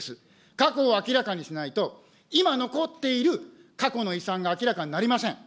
過去を明らかにしないと、今残っている過去の遺産が明らかになりません。